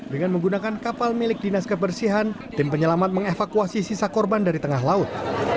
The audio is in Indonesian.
dengan menggunakan kapal milik dinas kebersihan tim penyelamat mengevakuasi sisa korban dari tengah laut